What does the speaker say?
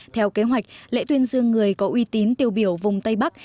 theo kế hoạch lễ tuyên dương người có uy tín tiêu biểu vùng tây bắc